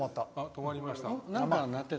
止まりました。